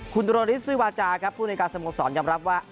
คุณโรนิสซิวาจาครับผู้ในการสมุทรสอนยำรับว่า